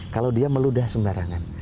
kalau dia meludah sembarangan